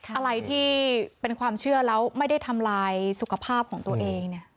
อะไรที่เป็นความเชื่อแล้วไม่ได้ทำลายสุขภาพของตัวเองเนี่ย